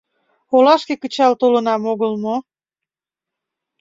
Олашке кычал толынам огыл мо?